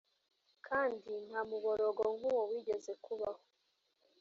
kandi nta muborogo nk uwo wigeze kubaho